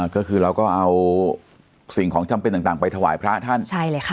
ก็คือเราก็เอาสิ่งของจำเป็นต่างไปถวายพระท่านใช่เลยค่ะ